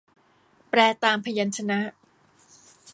แปลตามพยัญชนะ